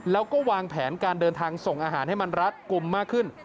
แล้วก็วางแผนการเดินทางส่งอาหารให้มันรัดกลุ่มมากขึ้น